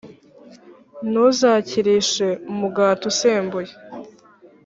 ntuzakirishe umugati usembuye;